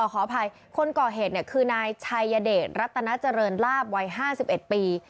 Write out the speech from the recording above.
ขออภัยคนก่อเหตุคือนายชัยเดชรัตนาเจริญลาบวัย๕๑ปี